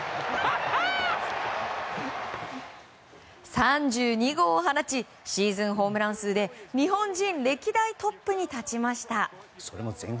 ３２号を放ちシーズンホームラン数で日本人歴代トップに立ちました。